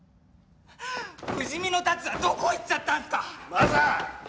不死身の龍はどこ行っちゃったんすか⁉雅！